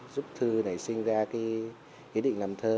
giúp thư nảy sinh ra cái ý định làm thơ